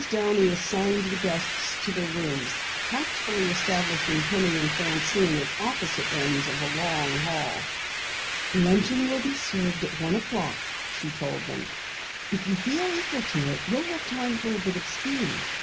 Downey assigned the guests to their rooms, tactfully establishing Penny and Francine at opposite ends of a long hall. "Luncheon will be served at one o'clock," she told them. "If you feel equal to it you'll have time for a bit of skiing."